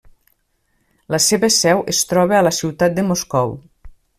La seva seu es troba a la ciutat de Moscou.